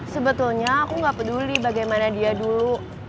sebetulnya aku nggak peduli bagaimana dia dulu